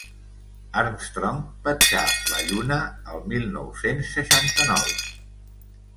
Armstrong petjà la Lluna el mil nou-cents seixanta-nou.